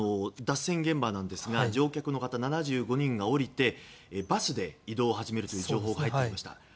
脱線現場なんですが乗客の方、７５人が降りてバスで移動を始めるという情報が入ってきました。